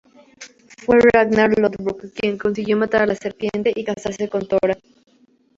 Fue Ragnar Lodbrok quien consiguió matar a la serpiente y casarse con Thora.